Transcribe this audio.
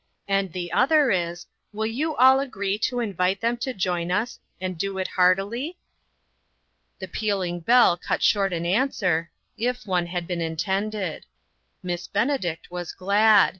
And the other is : Will you all agree to invite them to join us, and do it heartily ?" The pealing bell cut short an answer, if one had been intended. Miss Benedict was glad.